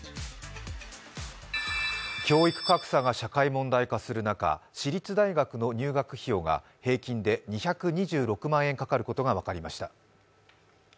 教育格差が社会問題化する中、私立大学の入学費用が平均で２２６万円かかることが分かりました。